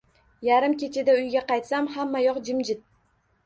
Yarim kechada uyga qaytsam hammayoq jimjit.